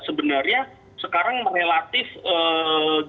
sebenarnya sekarang relatif di negara negara lain